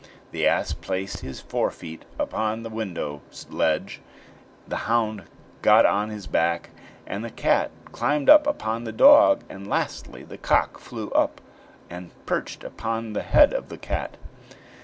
The ass placed his forefeet upon the window ledge, the hound got on his back, the cat climbed up upon the dog, and, lastly, the cock flew up and perched upon the head of the cat.